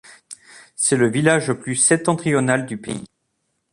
C'est le village le plus septentrional du pays.